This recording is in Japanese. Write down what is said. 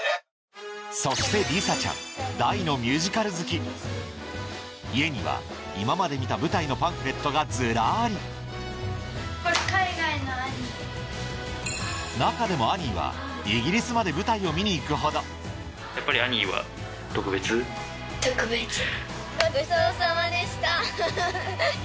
そして里咲ちゃん大のミュージカル好き家には今まで見た舞台のパンフレットがずらり中でも『Ａｎｎｉｅ』はイギリスまで舞台を見にいくほどごちそうさまでした。